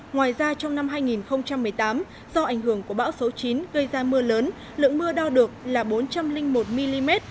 ngoài ra trong năm hai nghìn một mươi tám do ảnh hưởng của bão số chín gây ra mưa lớn lượng mưa đo được là bốn trăm linh một mm